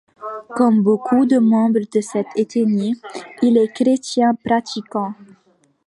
Comme beaucoup de membres de cette ethnie, il est chrétien pratiquant.